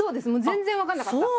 全然分かんなかった。